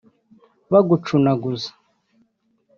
bagucunaguza